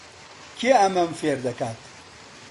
کێ ئەمەم فێر دەکات؟